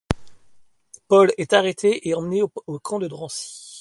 Paul est arrêté en et emmené au camp de Drancy.